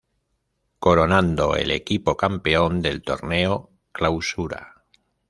Coronando el equipo Campeón del torneo Clausura.